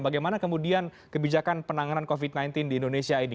bagaimana kemudian kebijakan penanganan covid sembilan belas di indonesia ini